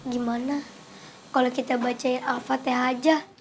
gimana kalau kita bacain al fatihah aja